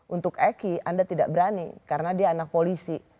untuk eki anda tidak berani karena dia anak polisi